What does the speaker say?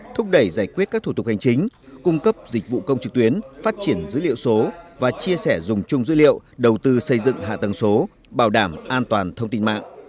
thúc đẩy giải quyết các thủ tục hành chính cung cấp dịch vụ công trực tuyến phát triển dữ liệu số và chia sẻ dùng chung dữ liệu đầu tư xây dựng hạ tầng số bảo đảm an toàn thông tin mạng